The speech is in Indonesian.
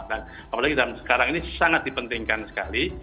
apalagi dalam sekarang ini sangat dipentingkan sekali